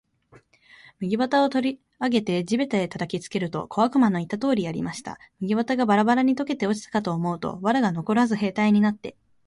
麦束を取り上げて地べたへ叩きつけると、小悪魔の言った通りやりました。麦束がバラバラに解けて落ちたかと思うと、藁がのこらず兵隊になって、